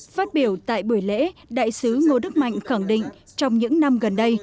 phát biểu tại buổi lễ đại sứ ngô đức mạnh khẳng định trong những năm gần đây